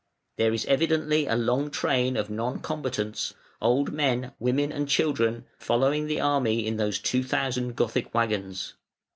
There is evidently a long train of non combatants, old men, women, and children, following the army in those two thousand Gothic waggons.